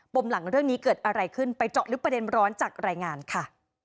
มหลังเรื่องนี้เกิดอะไรขึ้นไปเจาะลึกประเด็นร้อนจากรายงานค่ะ